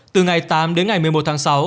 từ ngày tám đến ngày một mươi một tháng sáu